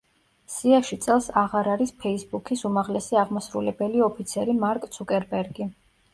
სიაში წელს აღარ არის „ფეისბუქის“ უმაღლესი აღმასრულებელი ოფიცერი მარკ ცუკერბერგი.